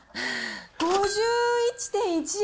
５１．１円。